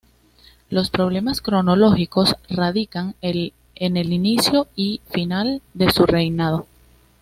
Los problemas cronológicos radican en el inicio y final de su reinado.